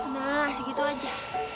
nah segitu aja